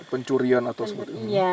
pencurian atau sebagainya